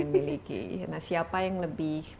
yang miliki siapa yang lebih